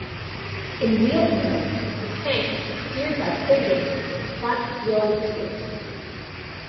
In wheeled mode, the tank was steered by pivoting the front road wheels.